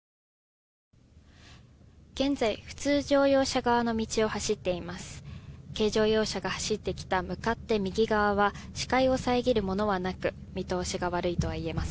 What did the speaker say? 現在、普通乗用車側の道を走っています。